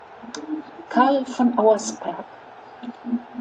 Karl von Auersperg.